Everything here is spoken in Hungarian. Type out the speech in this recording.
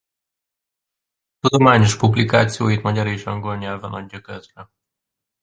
Tudományos publikációit magyar és angol nyelven adja közre.